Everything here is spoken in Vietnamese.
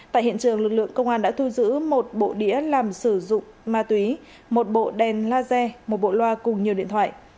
tại hiện trường lực lượng công an đã thu giữ một bộ đĩa làm sử dụng ma túy một bộ đèn laser một bộ loa cùng nhiều điện thoại